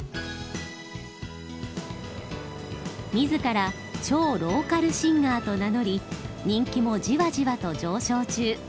自ら「超ローカルシンガー」と名乗り人気もじわじわと上昇中。